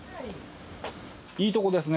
いいとこですね